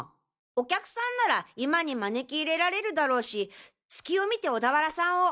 お客さんなら居間に招き入れられるだろうし隙を見て小田原さんを。